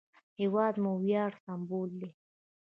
هېواد مو د ویاړ سمبول دی